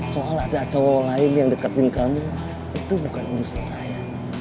soal ada cowok lain yang deketin kamu itu bukan urusan saya